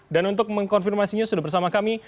dan untuk mengkonfirmasinya sudah bersama kami